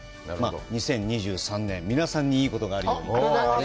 ２０２３年、皆さんにいいことがあるように。